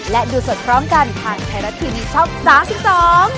และดูสดพร้อมกันทางไทยรัฐทีวีช่องสามสิบสอง